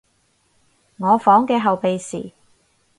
我房嘅後備匙